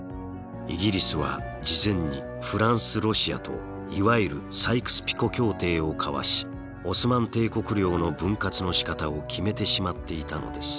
イギリスは事前にフランスロシアといわゆるサイクス・ピコ協定を交わしオスマン帝国領の分割のしかたを決めてしまっていたのです。